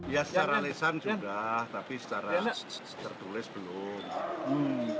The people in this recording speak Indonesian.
ya secara lesan juga tapi secara tertulis belum